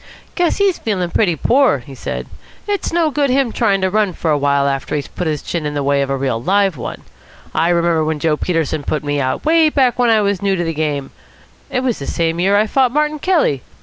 "Guess he's feeling pretty poor," he said. "It's no good him trying to run for a while after he's put his chin in the way of a real live one. I remember when Joe Peterson put me out, way back when I was new to the game it was the same year I fought Martin Kelly.